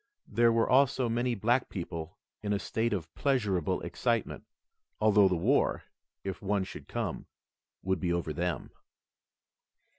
There were also many black people in a state of pleasurable excitement, although the war if one should come would be over them.